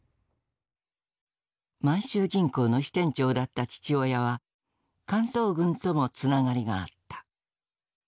満州銀行の支店長だった父親は関東軍ともつながりがあった。